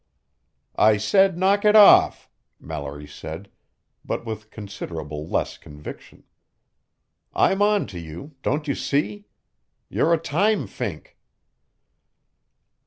"I said knock it off," Mallory said, but with considerable less conviction. "I'm onto you don't you see? You're a time fink."